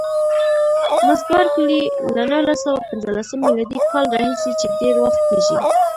مس بارکلي: له نولس سوه پنځلسم میلادي کال راهیسې چې ډېر وخت کېږي.